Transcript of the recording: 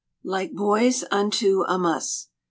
"Like boys unto a muss."